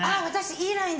いいライン。